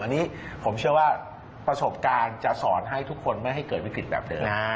อันนิประสบการณ์จะสอนให้ทุกคนไม่ให้เกิดวิกฤตแบบเดิม